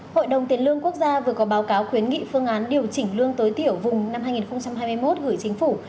hội đồng tiền lương quốc gia vừa có báo cáo khuyến nghị phương án điều chỉnh lương tối thiểu vùng năm hai nghìn hai mươi một gửi chính phủ